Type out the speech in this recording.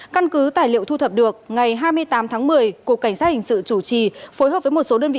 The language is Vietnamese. căn cứ tài liệu thu thập được ngày hai mươi tám tháng một mươi cục cảnh sát hình sự chủ trì phối hợp với một số đơn vị